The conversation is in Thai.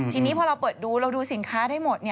ทีนี้พอเราเปิดดูเราดูสินค้าได้หมด